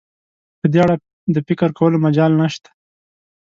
په دې اړه د فکر کولو مجال نشته.